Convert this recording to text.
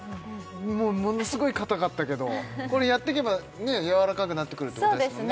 もうものすごいかたかったけどこれやってけばやわらかくなってくるということですもんね